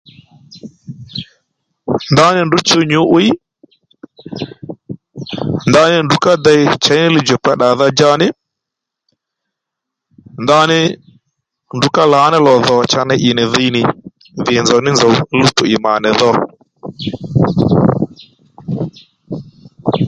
Ndaní ndrǔ chǔw nyǔ'wiy ndaní ndrǔ ká dey chěy ní li djùkpa ddàdha-djá nì ndaní ndrǔ ká lǎní lò dhò cha ney ì nì dhǐ nì dhì nzòw ní nzòw luwtò ì mà nì dho